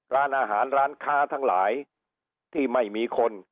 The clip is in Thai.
ร้านอาหารร้านค้าทั้งหลายที่ไม่มีคน